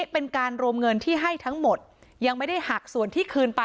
เป็นการรวมเงินที่ให้ทั้งหมดยังไม่ได้หักส่วนที่คืนไป